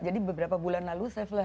jadi beberapa bulan lalu saya berhenti